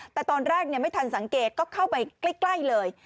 แต่ตอนแรกไม่ทันสังเกตก็เข้าไปใกล้เลย